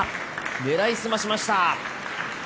狙い澄ましました。